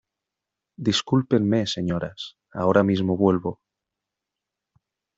Discúlpenme, señoras. Ahora mismo vuelvo .